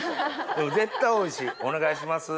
でも絶対おいしいお願いします。